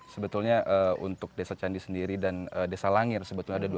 sebetulnya untuk desa candi sendiri dan desa langir sebetulnya ada dua